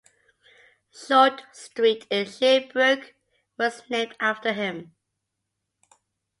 Short Street in Sherbrooke was named after him.